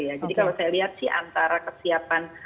kalau saya lihat sih antara kesiapan